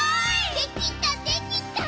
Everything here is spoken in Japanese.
「できたできた」